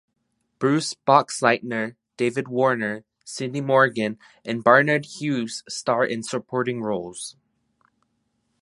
Bruce Boxleitner, David Warner, Cindy Morgan, and Barnard Hughes star in supporting roles.